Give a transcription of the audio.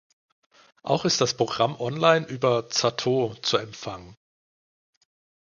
Auch ist das Programm online über Zattoo zu empfangen.